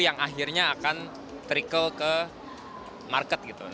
yang akhirnya akan merangkul ke market